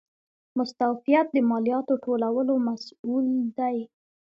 مستوفیت د مالیاتو ټولولو مسوول دی